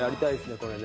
これね。